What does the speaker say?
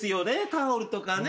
タオルとかね